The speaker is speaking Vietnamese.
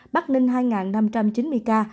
bắc ninh hai năm trăm chín mươi ca